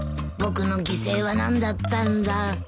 僕の犠牲は何だったんだ。